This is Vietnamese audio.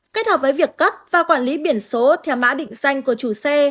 kết hợp với việc cấp và quản lý biển số theo mã định danh của chủ xe